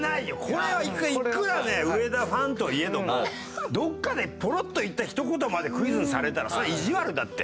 これはいくらね上田ファンといえどもどっかでポロッと言ったひと言までクイズにされたらそれは意地悪だって。